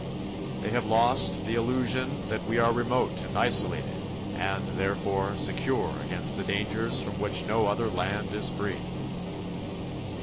They have lost the illusion that we are remote and isolated and, therefore, secure against the dangers from which no other land is free.